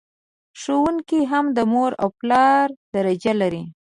ښوونکي هم د مور او پلار درجه لر...